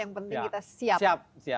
yang penting kita siap